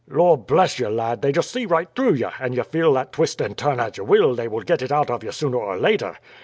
Lor' bless you, lad, they just see right through you; and you feel that, twist and turn as you will, they will get it out of you sooner or later.